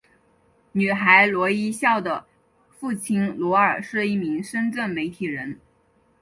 女孩罗一笑的父亲罗尔是一名深圳媒体人。